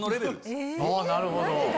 なるほど！